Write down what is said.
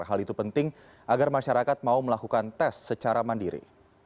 hal itu penting agar masyarakat mau melakukan tes secara mandiri